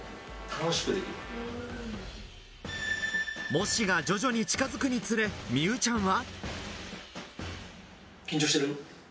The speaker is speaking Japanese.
模試が徐々に近づくにつれ美羽ちゃんは。